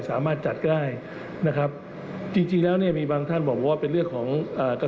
ถ้าใครไม่ชอบก็ใช้แนวทางเดิมได้นะฮะไปฟังเสียงทางนายกรัฐมนตรีกันครับ